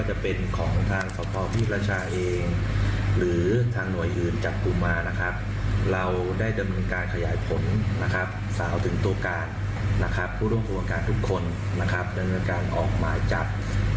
ดังนั้นการออกหมายจับนะครับและดำเนินพิธีทุกคนครับ